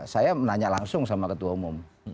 saya menanya langsung sama ketua umum